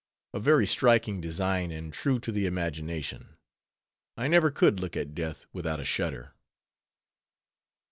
A very striking design, and true to the imagination; I never could look at Death without a shudder.